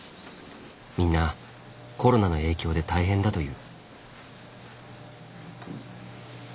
みんなコロナの影響で大変だという。